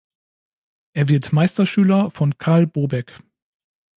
Er wird Meisterschüler von Karl Bobek.